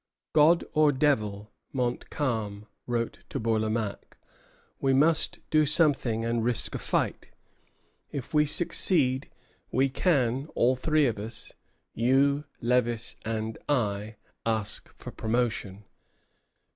"God or devil!" Montcalm wrote to Bourlamaque, "we must do something and risk a fight. If we succeed, we can, all three of us [you, Lévis, and I], ask for promotion.